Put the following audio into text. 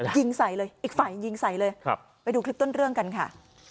ยิงใส่เลยอีกฝ่ายยิงใส่เลยครับไปดูคลิปต้นเรื่องกันค่ะ